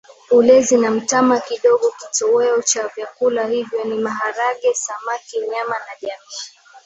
ulezi na mtama kidogo Kitoweo cha vyakula hivyo ni maharage samaki nyama na jamii